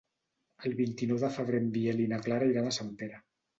El vint-i-nou de febrer en Biel i na Clara iran a Sempere.